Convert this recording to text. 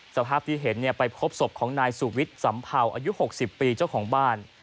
สภาพที่เห็นไปพบศพของนายสุวิทย์สัมเภาอายุ๖๐ปีเจ้าของบ้าน